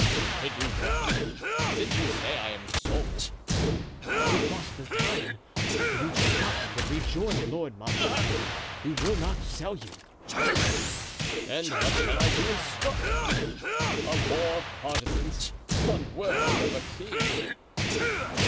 "To do what? since you say I am sold." "To cross the Tyne, reach Scotland and rejoin Lord Montrose, who will not sell you." "And what shall I do in Scotland? A war of partisans, unworthy of a king."